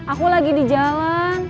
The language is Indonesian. aku lagi di jalan